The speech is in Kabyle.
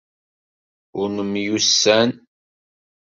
Ur nemyussan.